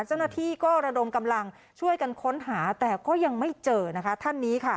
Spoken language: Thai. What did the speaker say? เจ้าหน้าที่ก็ระดมกำลังช่วยกันค้นหา